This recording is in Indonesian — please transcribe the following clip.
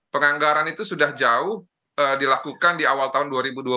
penganggaran itu sudah jauh dilakukan di awal tahun dua ribu dua puluh